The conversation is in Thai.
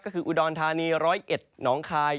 ก็คืออุดรธานี๑๐๑หนองคาย